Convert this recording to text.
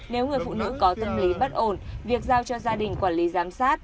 nếu người phụ nữ có tâm lý bất ổn việc giao cho gia đình quản lý giám sát